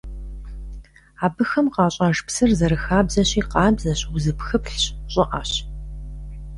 Абыхэм къащӀэж псыр, зэрыхабзэщи, къабзэщ, узыпхыплъщ, щӀыӀэщ.